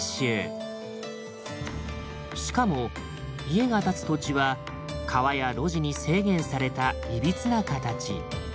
しかも家が建つ土地は川や路地に制限された歪な形。